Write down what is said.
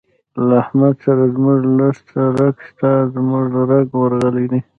له حمد سره زموږ لږ څه رګ شته، زموږ رګ ورغلی دی.